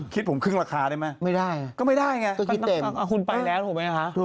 คิดผมครึ่งราคาได้ไหมก็ไม่ได้ไงคุณไปแล้วถูกไหมคะถูก